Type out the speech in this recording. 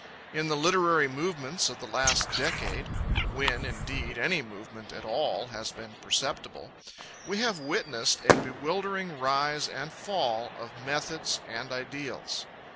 In the literary movements of the last decade when, indeed, any movement at all has been perceptible we have witnessed a bewildering rise and fall of methods and ideals.